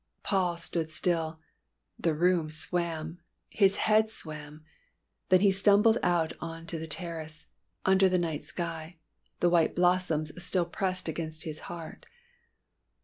Paul stood still. The room swam; his head swam. Then he stumbled out on to the terrace, under the night sky, the white blossoms still pressed against his heart.